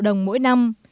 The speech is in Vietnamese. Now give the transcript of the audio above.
đồng mỗi năm